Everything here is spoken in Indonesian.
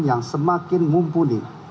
yang semakin mumpuni